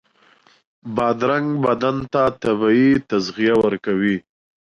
بادرنګ بدن ته طبعي تغذیه ورکوي.